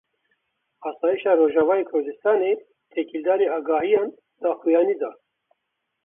Asayişa Rojavayê Kurdistanê têkildarî agahiyan daxuyanî da.